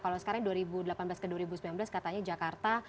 kalau sekarang dua ribu delapan belas ke dua ribu sembilan belas katanya jakarta